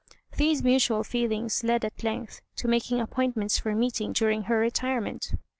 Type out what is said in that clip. These mutual feelings led at length to making appointments for meeting during her retirement.